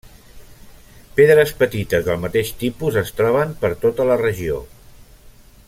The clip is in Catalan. Pedres petites del mateix tipus es troben per tota la regió.